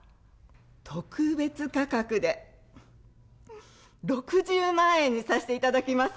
特別価格で６０万円にさせていただきます。